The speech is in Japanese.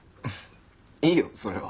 いいよそれは。